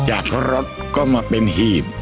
จากรถก็มาเป็นหีบ